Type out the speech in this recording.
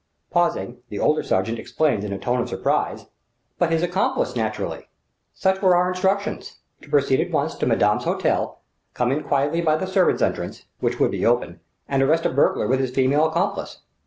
Pausing, the older sergent explained in a tone of surprise: "But his accomplice, naturally! Such were our instructions to proceed at once to madame's hôtel, come in quietly by the servants' entrance which would be open and arrest a burglar with his female accomplice."